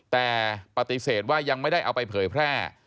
แต่ปฏิเสธว่ายังไม่ได้เอาไปเผยแพร่